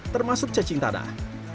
termasuk cacing tanah